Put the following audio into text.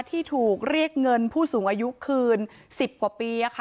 ที่ถูกเรียกเงินผู้สูงอายุคืน๑๐กว่าปี